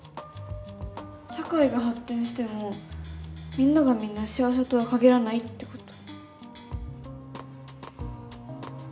社会が発展してもみんながみんな幸せとは限らないってこと。